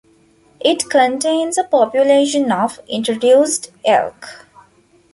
It contains a population of introduced elk.